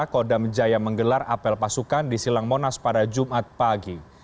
kodam jaya menggelar apel pasukan di silang monas pada jumat pagi